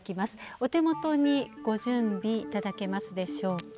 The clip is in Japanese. お手元にご準備いただけますでしょうか。